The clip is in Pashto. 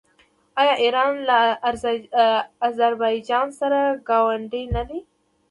آیا ایران له اذربایجان سره ګاونډی نه دی؟